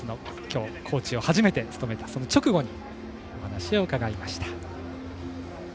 コーチを初めて務めたその直後にお話を伺いました。